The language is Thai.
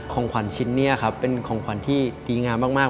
ของขวัญชิ้นนี้ครับเป็นของขวัญที่ดีงามมาก